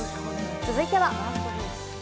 続いては。